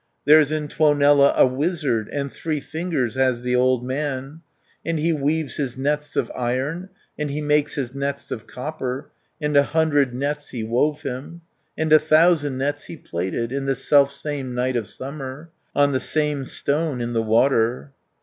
There's in Tuonela a wizard, And three fingers has the old man, And he weaves his nets of iron, And he makes his nets of copper, And a hundred nets he wove him, And a thousand nets he plaited, In the selfsame night of summer, On the same stone in the water.